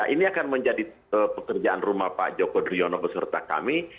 ini akan menjadi pekerjaan rumah pak joko driono beserta kami